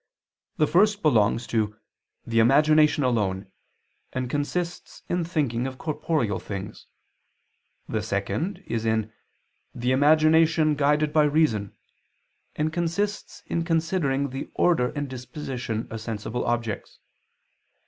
The first belongs to "the imagination alone," and consists in thinking of corporeal things. The second is in "the imagination guided by reason," and consists in considering the order and disposition of sensible objects.